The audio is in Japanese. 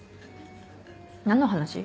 何の話？